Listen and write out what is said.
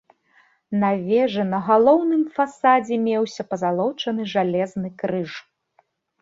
На вежы на галоўным фасадзе меўся пазалочаны жалезны крыж.